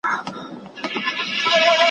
لاري بندي وې له واورو او له خټو `